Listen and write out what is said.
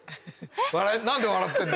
何で笑ってんの？